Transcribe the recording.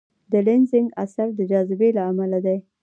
د لینزینګ اثر د جاذبې له امله دی.